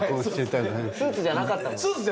スーツじゃなかったです。